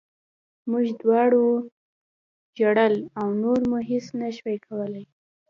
موږ دواړو ژړل او نور مو هېڅ نه شول کولی